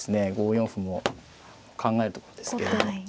５四歩も考えるところですけれど。